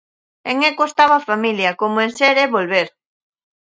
En Eco estaba a familia, como en Ser e volver.